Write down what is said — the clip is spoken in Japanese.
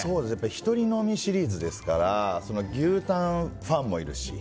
１人飲みシリーズですから牛タンファンもいるし